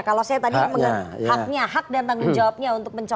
kalau saya tadi haknya hak dan tanggung jawabnya untuk mencoba